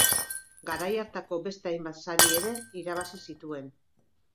Garai hartako beste hainbat sari ere irabazi zituen.